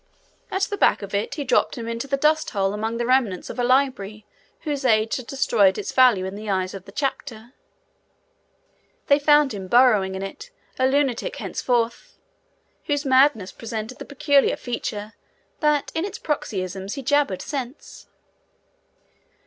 At the back of it he dropped him into the dust hole among the remnants of a library whose age had destroyed its value in the eyes of the chapter. They found him burrowing in it, a lunatic henceforth whose madness presented the peculiar feature, that in its paroxysms he jabbered sense.